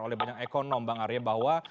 oleh banyak ekonom bang arya bahwa